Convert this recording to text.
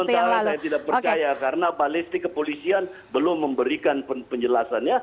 untuk sementara saya tidak percaya karena balistik kepolisian belum memberikan penjelasan ya